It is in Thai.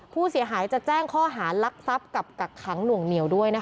ผู้เสียหายจะแจ้งข้อหารักทรัพย์กับกักขังหน่วงเหนียวด้วยนะคะ